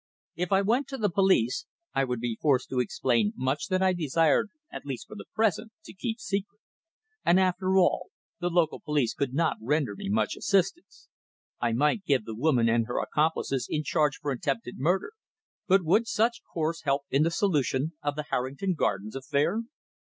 If I went to the police I would be forced to explain much that I desired, at least for the present, to keep secret. And, after all, the local police could not render me much assistance. I might give the woman and her accomplices in charge for attempted murder, but would such course help in the solution of the Harrington Gardens affair?